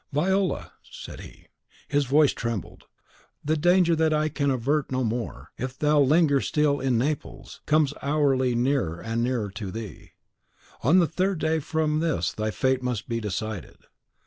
"Viola," said he, and his voice trembled, "the danger that I can avert no more, if thou linger still in Naples, comes hourly near and near to thee! On the third day from this thy fate must be decided.